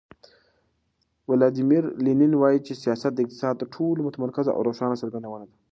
ولادیمیر لینین وایي چې سیاست د اقتصاد تر ټولو متمرکزه او روښانه څرګندونه ده.